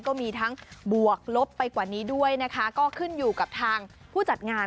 ก็มีทั้งบวกลบไปกว่านี้ด้วยนะคะก็ขึ้นอยู่กับทางผู้จัดงาน